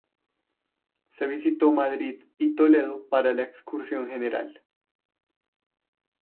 Se visitó Madrid, y Toledo para la excursión general.